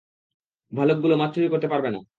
ভালুকগুলো মাছ চুরি করতে পারবে না।